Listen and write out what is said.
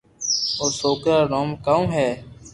او سوڪرا رو نوم ڪاو ھي